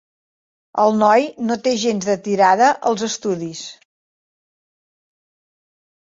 El noi no té gens de tirada als estudis.